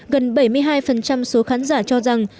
gần bảy mươi hai số khán giả cho rằng